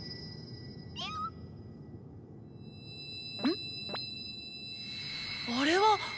ん⁉あれは！